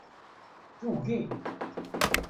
Tugi.